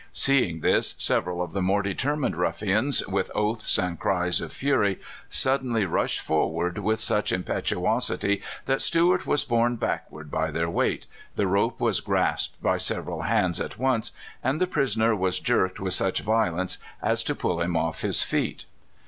Seeing this, several of the more determined ruffians, w^ith oaths and cries of fur}' , suddenly rushed forward with such impetu osity that Stuart was borne backward by their weight, the rope was grasped by several hands at once, and the prisoner w^as jerked with such vio lence as to pull him off his feet.